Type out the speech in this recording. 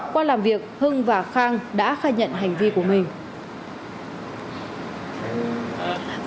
qua làm việc hưng và khang đã khai nhận hành vi của mình